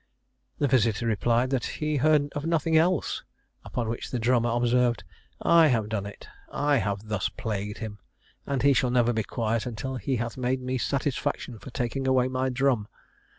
The visiter replied, that he heard of nothing else; upon which the drummer observed, "I have done it; I have thus plagued him! and he shall never be quiet until he hath made me satisfaction for taking away my drum."